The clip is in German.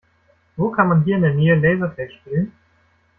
Wo kann man hier in der Nähe Lasertag spielen?